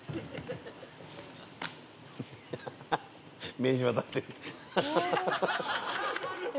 名刺渡して。